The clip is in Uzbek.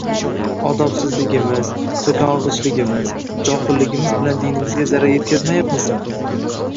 odobsizligimiz, so‘kong‘ichligimiz, johilligimiz bilan dinimizga zarar yetkazmayapmizmi?